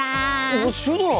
おっシュドラ！